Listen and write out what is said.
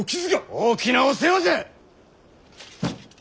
大きなお世話じゃ！